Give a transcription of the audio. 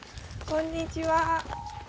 こんにちは。